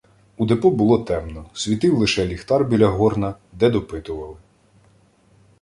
У депо було темно, світив лише ліхтар біля горна, де допитували.